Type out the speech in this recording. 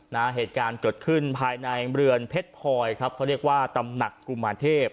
เหตุการณ์เกิดขึ้นภายในเรือนเพชรพลอยครับเขาเรียกว่าตำหนักกุมารเทพ